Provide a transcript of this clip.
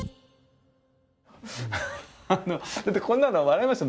こんなの笑いますよ